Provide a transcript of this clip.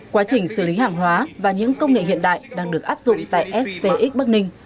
quá trình xử lý hàng hóa và những công nghệ hiện đại đang được áp dụng tại spx bắc ninh